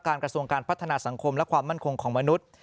กระทรวงการพัฒนาสังคมและความมั่นคงของมนุษย์